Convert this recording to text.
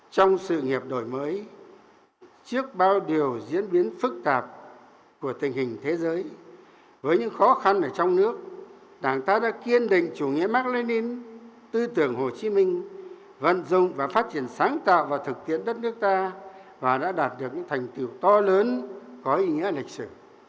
trong sự nghiệp đổi mới trước bao điều diễn biến phức tạp của tình hình thế giới với những khó khăn ở trong nước đảng ta đã kiên định chủ nghĩa mạc lê nín tư tưởng hồ chí minh vận dụng và phát triển sáng tạo và thực tiễn đất nước ta và đã đạt được những thành tiêu to lớn có ý nghĩa lịch sử